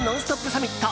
サミット。